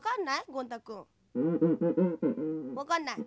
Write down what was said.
ゴン太くん。わかんない？